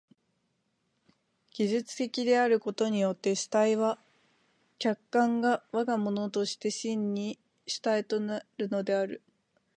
技術的であることによって主体は客観を我が物として真に主体となるのである。